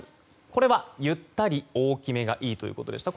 これはゆったり大きめがいいということでした。